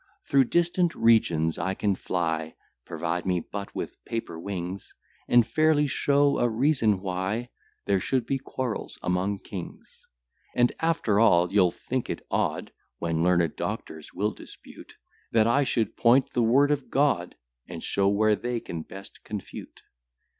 Through distant regions I can fly, Provide me but with paper wings; And fairly show a reason why There should be quarrels among kings: And, after all, you'll think it odd, When learned doctors will dispute, That I should point the word of God, And show where they can best confute.